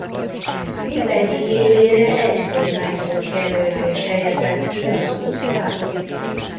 Mindegyik élére egy kormányzót jelölt és helyezett ki az udvar.